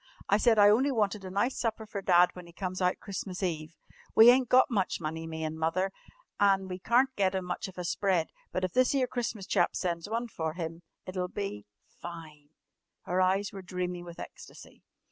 I said I only wanted a nice supper for Dad when he comes out Christmas Eve. We ain't got much money, me an' Mother, an' we carn't get 'im much of a spread, but if this 'ere Christmas chap sends one fer 'im, it'll be fine!" Her eyes were dreamy with ecstasy.